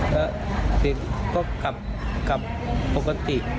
แล้วก็กลับปกติ